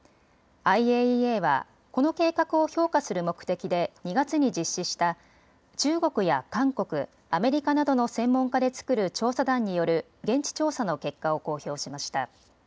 ＩＡＥＡは、この計画を評価する目的で２月に実施した中国や韓国、アメリカなどの専門家で作る調査団による現地調査の結果を公表しました。